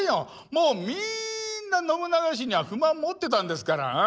もうみんな信長氏には不満持ってたんですから。